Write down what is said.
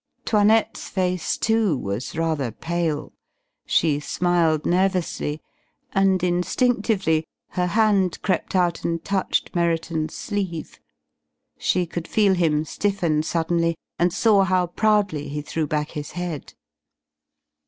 'Toinette's face, too, was rather pale. She smiled nervously, and instinctively her hand crept out and touched Merriton's sleeve. She could feel him stiffen suddenly, and saw how proudly he threw back his head.